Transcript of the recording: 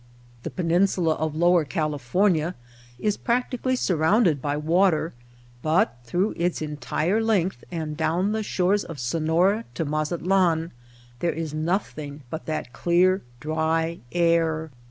The peninsula of Lower California is practically surrounded by water, but through its entire length and down the shores of Sonora to Mazatlan, there is nothing but that clear, dry air.